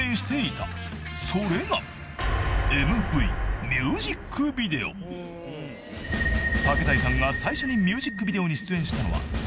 ［竹財さんが最初にミュージックビデオに出演したのは］